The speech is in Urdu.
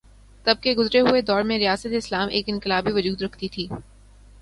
تب کے گزرے ہوئے دور میں ریاست اسلام ایک انقلابی وجود رکھتی تھی۔